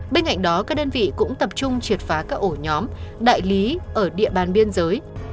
bên cạnh đó các đơn vị cũng tập trung triệt phá các ổ nhóm đại lý ở địa bàn biên giới